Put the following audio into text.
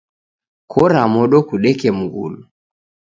Kora modo kudeke mngulu.